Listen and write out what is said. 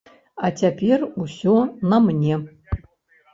А цяпер усё на мне.